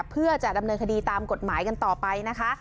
เพื่อจะดำเนินคดีตามกฎหมายกันต่อไปนะคะ